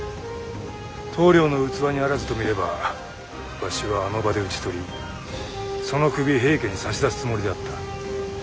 棟梁の器にあらずと見ればわしはあの場で討ち取りその首平家に差し出すつもりであった。